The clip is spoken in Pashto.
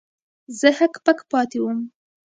زه هک پک پاتې وم.